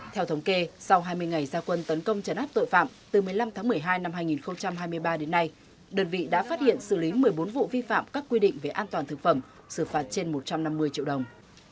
theo thống kê sau hai mươi ngày gia quân tấn công chấn áp tội phạm từ một mươi năm tháng một mươi hai năm hai nghìn hai mươi ba đến nay đơn vị đã phát hiện xử lý một mươi bốn vụ vi phạm các quy định về an toàn thực phẩm xử phạt trên một trăm năm mươi triệu đồng